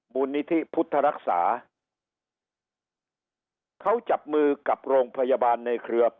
มูลนิธิพุทธรักษาเขาจับมือกับโรงพยาบาลในเครือ